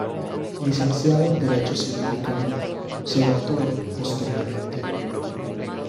Licenciado en derecho civil y canónico, se doctoró posteriormente.